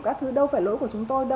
các thứ đâu phải lỗi của chúng tôi